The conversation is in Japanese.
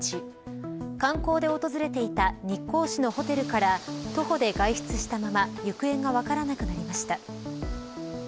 観光で訪れていた日光市のホテルから徒歩で外出したまま行方が分からなくなりました。